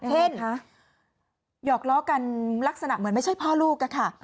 หยอกล้อกันลักษณะเหมือนไม่ใช่พ่อลูกค่ะ